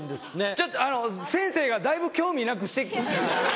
ちょっとあの先生がだいぶ興味なくして。